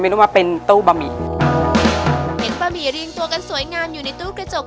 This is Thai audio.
ว่าเป็นตู้บะหมี่เห็นบะหมี่เรียงตัวกันสวยงามอยู่ในตู้กระจก